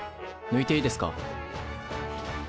ぬいていいですか？